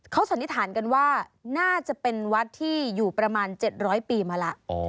เขาสันนิษฐานกันว่าน่าจะเป็นวัดที่อยู่ประมาณ๗๐๐ปีมาแล้ว